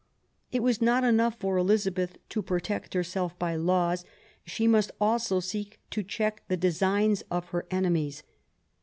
^It was not enough for Elizabeth to protect herself by laws ; she must also seek to check the designs of her enemies.